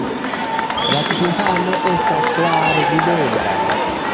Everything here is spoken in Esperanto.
La timpano estas klare videbla.